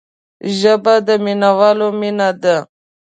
ژبه د مینوالو مینه ده